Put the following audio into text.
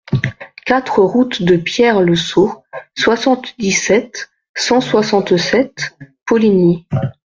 quatre route de Pierre Le Sault, soixante-dix-sept, cent soixante-sept, Poligny